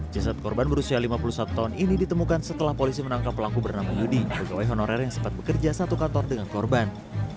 jasad korban berusia lima puluh satu tahun ini ditemukan setelah polisi menangkap pelaku bernama yudi pegawai honorer yang sempat bekerja satu kantor dengan korban